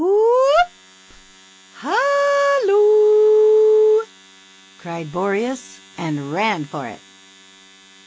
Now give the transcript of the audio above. " Whoop ! Halloo !" cried Boreas, and ran for it.